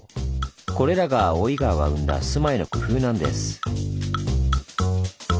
これらが大井川が生んだ住まいの工夫なんです。